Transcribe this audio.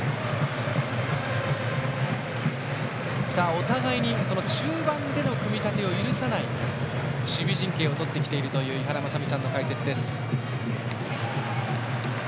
お互い、中盤での組み立てを許さない守備陣形を取ってきているという井原正巳さんの解説です。